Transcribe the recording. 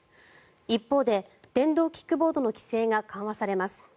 一方で電動キックボードの規制が緩和されます。